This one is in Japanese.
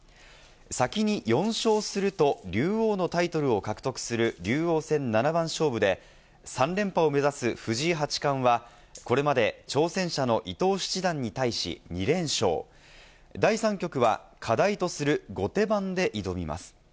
先に４勝すると竜王のタイトルを獲得する竜王戦七番勝負で、３連覇を目指す藤井八冠はこれまで、挑戦者の伊藤七段に対し２連勝、第３局は課題とする後手番で挑みます。